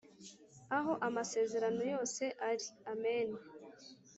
aho amasezerano yose ari amen